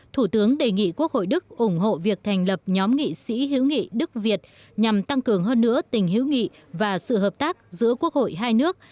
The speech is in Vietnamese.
thủ tướng đề nghị quốc hội đức ủng hộ việc thành lập nhóm nghị sĩ hữu nghị đức việt nhằm tăng cường hơn nữa tình hữu nghị và sự hợp tác giữa quốc hội hai nước